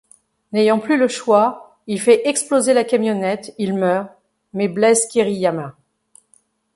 N'ayant plus le choix, il fait exploser la camionnette, il meurt, mais blesse Kiriyama.